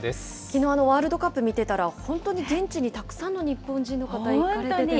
きのうのワールドカップ見てたら、本当に現地にたくさんの日本人の方行かれててね。